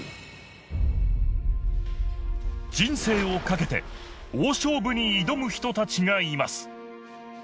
人生をかけて大勝負に挑む人たちがいます